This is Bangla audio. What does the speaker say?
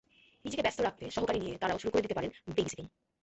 নিজেকে ব্যস্ত রাখতে সহকারী নিয়ে তাঁরাও শুরু করে দিতে পারেন বেবিসিটিং।